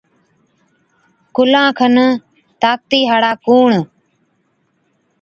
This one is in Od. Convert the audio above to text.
ڪُلان کن طاقتِي هاڙا ڪُوڻ،